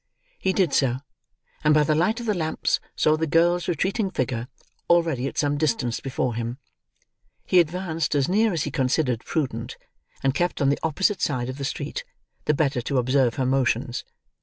He did so; and, by the light of the lamps, saw the girl's retreating figure, already at some distance before him. He advanced as near as he considered prudent, and kept on the opposite side of the street, the better to observe her motions.